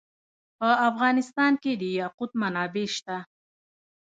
په افغانستان کې د یاقوت منابع شته.